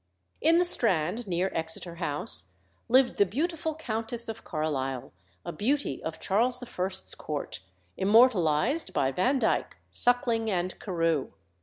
In the Strand, near Exeter House, lived the beautiful Countess of Carlisle, a beauty of Charles I.'s court, immortalised by Vandyke, Suckling, and Carew.